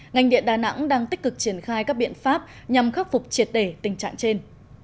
ngành điện đà nẵng đang tích cực triển khai các biện pháp nhằm khắc phục triệt để tình trạng trên